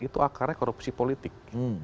itu akarnya korupsi politik